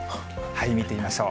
見てみましょう。